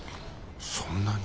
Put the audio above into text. そんなに。